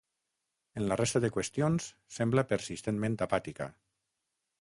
En la resta de qüestions, sembla persistentment apàtica.